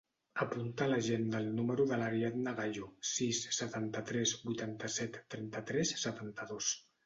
Apunta a l'agenda el número de l'Ariadna Gayo: sis, setanta-tres, vuitanta-set, trenta-tres, setanta-dos.